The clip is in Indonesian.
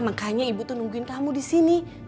makanya ibu tuh nungguin kamu di sini